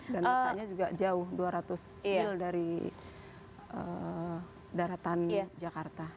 dan makanya juga jauh dua ratus mil dari daratan jakarta